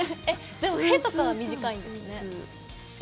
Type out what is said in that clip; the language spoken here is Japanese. でも「ヘ」とかは短いんですね。